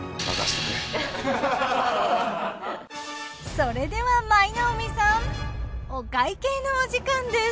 それでは舞の海さんお会計のお時間です。